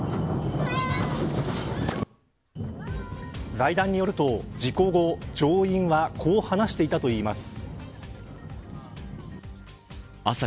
財団によると事故後、乗員はこう話していたといいます。